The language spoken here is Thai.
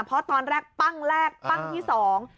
เพราะตอนแรกปั้งแรกปั้งที่สอง